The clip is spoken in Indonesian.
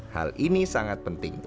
hal ini sangat penting